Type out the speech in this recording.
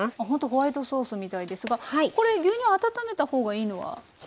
ほんとホワイトソースみたいですがこれ牛乳温めた方がいいのは？